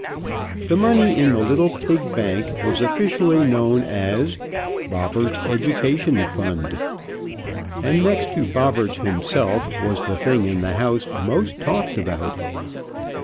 The money in the little pig bank was officially known as "Bobberts' Education Fund," and next to Bobberts himself was the thing in the house most talked about.